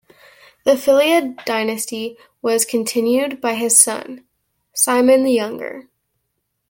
The Philaid dynasty was continued by his son, Cimon the Younger.